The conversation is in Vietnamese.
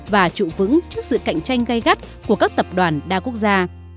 và trụ vững trước sự cạnh tranh gây gắt của các tập đoàn đa quốc gia